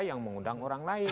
yang mengundang orang lain